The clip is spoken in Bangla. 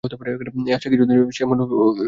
এ আশা কিছুতেই সে মন হইতে দমন করিতে পারিত না।